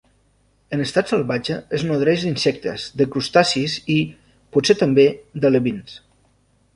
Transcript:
En estat salvatge es nodreix d'insectes, de crustacis i, potser també, d'alevins.